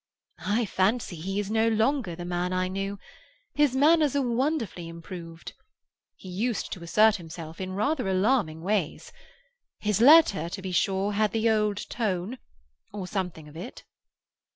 "I fancy he is no longer the man I knew. His manners are wonderfully improved. He used to assert himself in rather alarming ways. His letter, to be sure, had the old tone, or something of it."